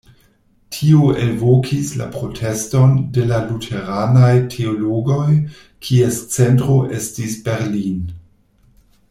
Tio elvokis la proteston de la luteranaj teologoj, kies centro estis Berlin.